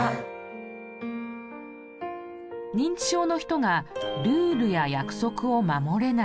認知症の人がルールや約束を守れない。